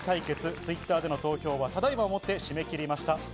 Ｔｗｉｔｔｅｒでの投票はただいまをもって締め切りました。